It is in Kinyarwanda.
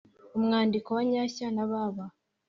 Umwandiko wa nyasha na baba